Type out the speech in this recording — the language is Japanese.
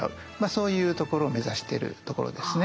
そういうところを目指してるところですね。